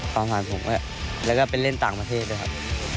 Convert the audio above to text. ความผ่านผมด้วยแล้วก็ไปเล่นต่างประเทศด้วยครับ